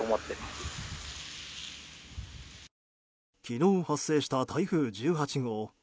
昨日発生した台風１８号。